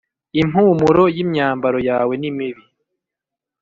impumuro y ‘imyambaro yawe nimibi.